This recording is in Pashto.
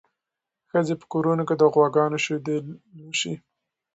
ښځې په کورونو کې د غواګانو شیدې لوشي.